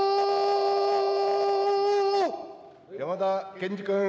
山田賢司君。